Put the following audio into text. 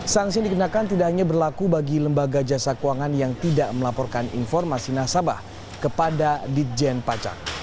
sanksi yang dikenakan tidak hanya berlaku bagi lembaga jasa keuangan yang tidak melaporkan informasi nasabah kepada ditjen pajak